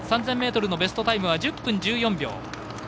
３０００ｍのベストタイムは１０分１４秒。